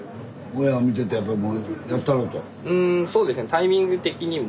タイミング的にも。